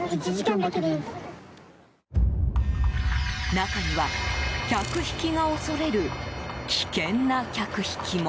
中には、客引きが恐れる危険な客引きも。